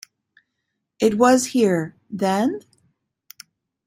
It was here, then?